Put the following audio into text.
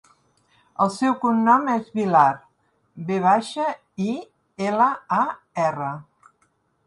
El seu cognom és Vilar: ve baixa, i, ela, a, erra.